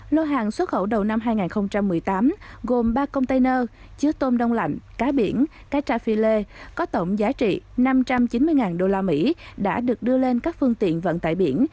lô hàng xuất khẩu đầu năm hai nghìn một mươi tám gồm ba container chứa tôm đông lạnh cá biển cá tra phi lê có tổng giá trị năm trăm chín mươi usd đã được đưa lên các phương tiện vận tải biển